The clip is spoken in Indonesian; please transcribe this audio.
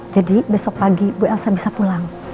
jadi besok pagi bu elsa bisa pulang